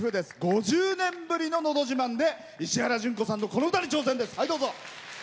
５０年ぶりの「のど自慢」で石原詢子さんのこの歌に挑戦です。